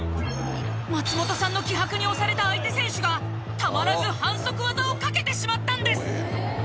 松本さんの気迫に押された相手選手がたまらず反則技をかけてしまったんです！